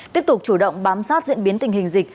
tiếp tục chủ động bám sát diễn biến tình hình dịch